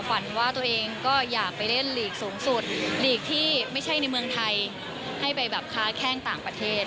ฝันว่าตัวเองก็อยากไปเล่นลีกสูงสุดลีกที่ไม่ใช่ในเมืองไทยให้ไปแบบค้าแข้งต่างประเทศ